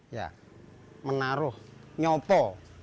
ya menaruh nyopo